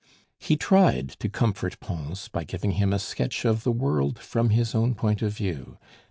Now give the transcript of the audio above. He tried to comfort Pons by giving him a sketch of the world from his own point of view.